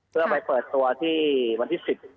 เพื่อไปเปิดตัวที่วันที่๑๐ที่ธรโมศรครับ